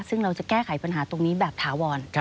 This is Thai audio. ซึ่งเราจะแก้ไขปัญหาตรงนี้แบบถาวร